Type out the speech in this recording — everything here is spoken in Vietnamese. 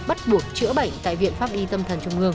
bắt buộc chữa bệnh tại viện pháp y tâm thần trung ương